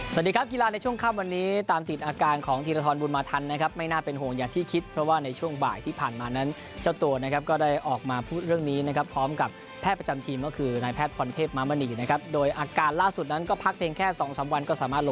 สวัสดีครับกีฬาในช่วงค่ำวันนี้ตามติดอาการของธีรทรบุญมาทันนะครับไม่น่าเป็นห่วงอย่างที่คิดเพราะว่าในช่วงบ่ายที่ผ่านมานั้นเจ้าตัวนะครับก็ได้ออกมาพูดเรื่องนี้นะครับพร้อมกับแพทย์ประจำทีมก็คือนายแพทย์พรเทพมามณีนะครับโดยอาการล่าสุดนั้นก็พักเพียงแค่สองสามวันก็สามารถล